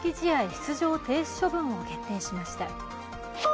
出場停止処分を決定しました。